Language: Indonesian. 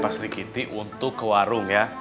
pak sri kiti untuk ke warung ya